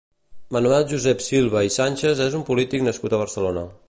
Manuel Josep Silva i Sánchez és un polític nascut a Barcelona.